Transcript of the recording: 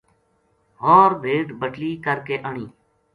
ہو ر بھیڈ بٹلی کر کہ آنی